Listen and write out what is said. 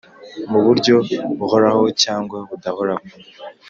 Mu buryo buhoraho cyangwa budahoraho